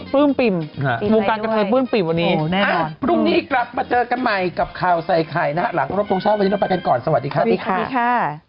เป็นที่เป็นแบบสาวแฟนแแนนส์ละก่อนใช่มะ